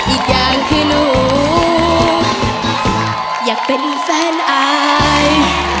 อีกอย่างคือหนูอยากเป็นแฟนอาย